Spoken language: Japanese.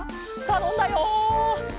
たのんだよ。